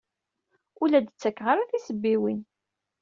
Ur la d-ttakeɣ ara tisebbiwin.